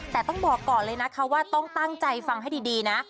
แต่ต้องบอกก่อนเลยนะคะว่าต้องตั้งใจฟังให้ดีนะ